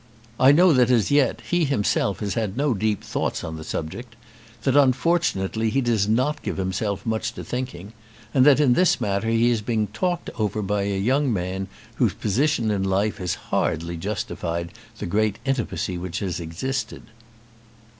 I know that as yet he himself has had no deep thoughts on the subject, that unfortunately he does not give himself much to thinking, and that in this matter he is being talked over by a young man whose position in life has hardly justified the great intimacy which has existed."